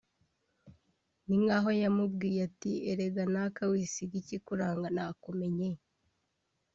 Ni nkaho yamubwiye ati “Erega naka wisiga ikikuranga nakumenye